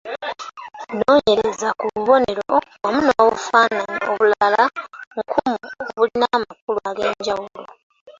Noonyereza ku bubonero wamu n’obufaananyi obulala nkumu obulina amakulu ag’enjawulo.